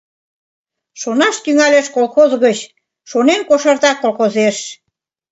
Шонаш тӱҥалеш колхоз гыч, шонен кошарта колхозеш.